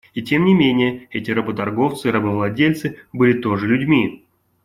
И, тем не менее, эти работорговцы и рабовладельцы были тоже людьми.